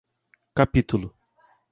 Capítulo